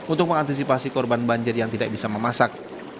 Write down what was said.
untuk mengantisipasi korban banjir yang tidak bisa memasak